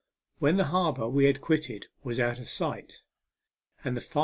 When the harbour \ had quitted was out of sight, and the fii.